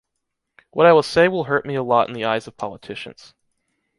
What I will say will hurt me a lot in the eyes of politicians.